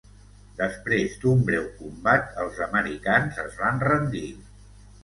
Després d'un breu combat els americans es van rendir.